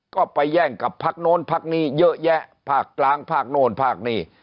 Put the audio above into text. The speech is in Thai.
ก็ไปแย่งกับพักโน้นพักนี้เยอะแยะภาคกลางภาคโน่นภาคนี่